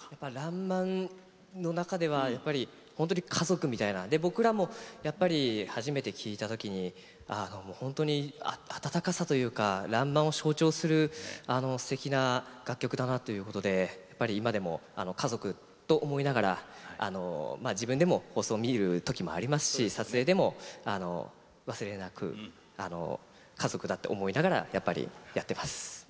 「らんまん」の中では本当に家族みたいな僕らも、初めて聴いたときに本当に温かさというか「らんまん」を象徴するすてきな楽曲だなということで今でも家族と思いながら自分でも放送を見るときもありますし撮影でも忘れなく家族だって思いながらやってます。